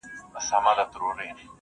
همدایو کسب یې زده همدا خواري وه `